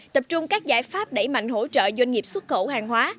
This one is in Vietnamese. tập trung các giải pháp đẩy mạnh hỗ trợ doanh nghiệp xuất khẩu hàng hóa